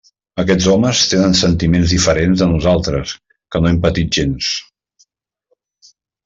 Aquests homes tenen sentiments diferents de nosaltres que no hem patit gens.